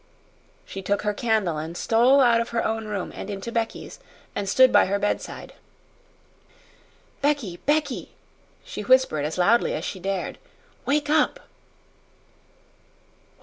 She took her candle and stole out of her own room and into Becky's, and stood by her bedside. "Becky, Becky!" she whispered as loudly as she dared. "Wake up!"